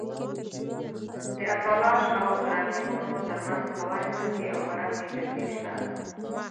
د اپالاش او راکي غرونو تر منځ هوارې ځمکې او پراخې جلګې شته.